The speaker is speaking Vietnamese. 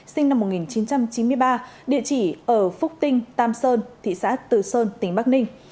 sinh năm một nghìn chín trăm chín mươi ba địa chỉ ở phúc tinh tam sơn thị xã từ sơn tỉnh bắc ninh